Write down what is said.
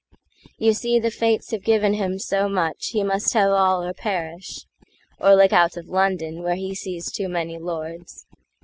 You see the fates have given him so much, He must have all or perish,—or look outOf London, where he sees too many lords.